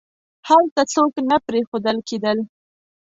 هلته څوک نه پریښودل کېدل.